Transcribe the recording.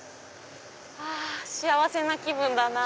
あ幸せな気分だな。